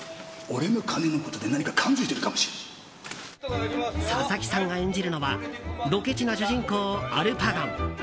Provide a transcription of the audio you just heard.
俺の金のことで佐々木さんが演じるのはドケチな主人公アルパゴン。